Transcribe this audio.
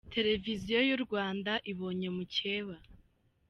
Televiziyo y’u Rwanda ibonye mukeba